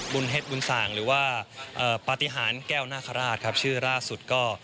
บลเฮชบลสางหรือว่าปฏิหารแก่วนาคราชครับ